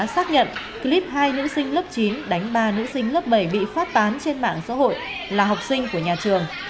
xác nhận clip hai nữ sinh lớp chín đánh ba nữ sinh lớp bảy bị phát tán trên mạng xã hội là học sinh của nhà trường